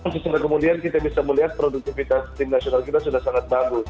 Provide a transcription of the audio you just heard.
sesungguh kemudian kita bisa melihat produktivitas tim nasional kita sudah sangat bagus